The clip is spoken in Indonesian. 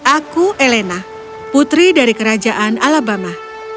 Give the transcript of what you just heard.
aku elena putri dari kerajaan alabama